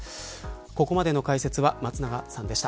ここまでの解説は松永さんでした。